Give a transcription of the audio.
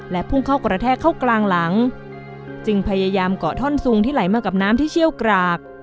พุ่งเข้ากระแทกเข้ากลางหลังจึงพยายามเกาะท่อนซุงที่ไหลมากับน้ำที่เชี่ยวกราก